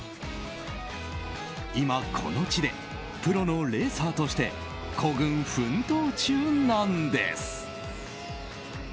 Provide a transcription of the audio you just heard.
今、この地でプロのレーサーとして孤軍奮闘中なんです。